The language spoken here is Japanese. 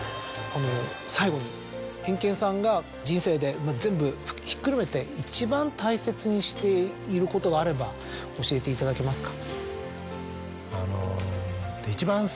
最後にエンケンさんが人生で全部ひっくるめて一番大切にしていることがあれば教えていただけますか。